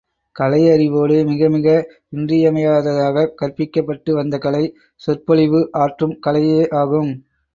கலை அறிவோடு மிகமிக இன்றியமையாததாகக் கற்பிக்கப்பட்டு வந்த கலை, சொற்பொழிவு ஆற்றும் கலையே ஆகும்.